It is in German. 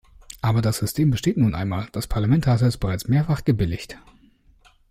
Aber das System besteht nun einmal, das Parlament hat es bereits mehrfach gebilligt.